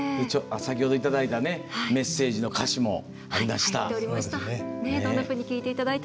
先ほどいただいたメッセージの歌詞もありました。